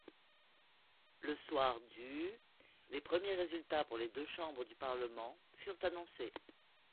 Le soir du les premiers résultats pour les deux chambres du parlement furent annoncés.